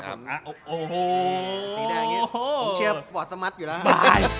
ผมเชื่อป่อสมัทอยู่แล้วฮะ